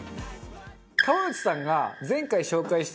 川内さんが。